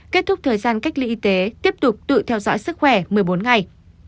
kết thúc thời gian cách ly y tế tiếp tục tự theo dõi sức khỏe một mươi bốn ngày